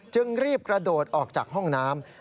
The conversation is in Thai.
จึงรีบกระโดดออกจากห้องน้ำ